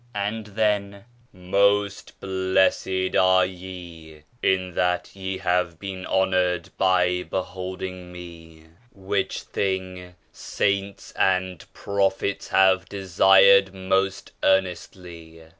"), and then, ' Most blessed are ye, in that ye have been honoured by beholding Me, which thing saints and prophets have desired most earnestly.'